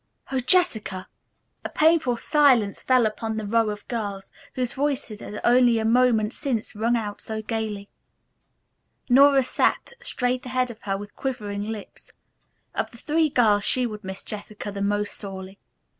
"Oh, Jessica!" A painful silence fell upon the row of girls, whose voices had only a moment since rung out so gayly. Nora sat staring straight ahead of her with quivering lips. Of the three girls she would miss Jessica the most sorely.